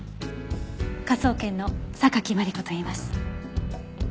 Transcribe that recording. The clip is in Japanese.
科捜研の榊マリコといいます。